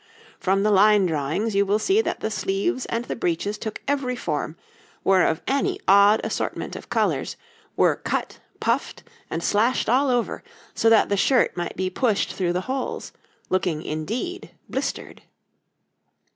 From the line drawings you will see that the sleeves and the breeches took every form, were of any odd assortment of colours, were cut, puffed, and splashed all over, so that the shirt might be pushed through the holes, looking indeed 'blistered.'